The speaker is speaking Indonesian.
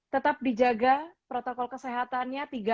tetap dijaga protokol kesehatannya